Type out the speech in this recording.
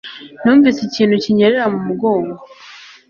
Numvise ikintu kinyerera mu mugongo.